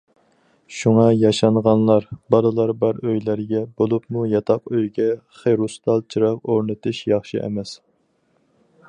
شۇڭا ياشانغانلار، بالىلار بار ئۆيلەرگە، بولۇپمۇ ياتاق ئۆيگە خىرۇستال چىراغ ئورنىتىش ياخشى ئەمەس.